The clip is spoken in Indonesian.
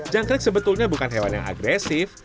jangkrik sebetulnya bukan hewan yang agresif